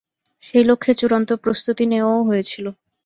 সেই লক্ষ্যে চূড়ান্ত প্রস্তুতি নেওয়াও হয়েছিল।